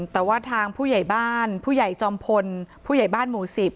แต่ว่าทางผู้ใหญ่บ้านผู้ใหญ่จอมพลผู้ใหญ่บ้านหมู่๑๐